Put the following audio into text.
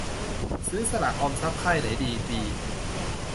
ซื้อสลากออมทรัพย์ค่ายไหนดี ปี